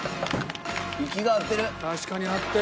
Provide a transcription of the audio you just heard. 息が合ってる！